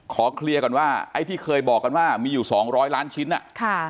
ขอเคลียร์ก่อนว่าไอ้ที่เคยบอกกันว่ามีอยู่สองร้อยล้านชิ้นอ่ะค่ะ